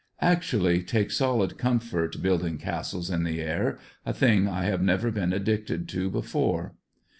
Actually take solid comfort "building castles in the air," a thing I have never been addicted to before.